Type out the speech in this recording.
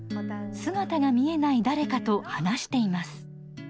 姿が見えない誰かと話しています。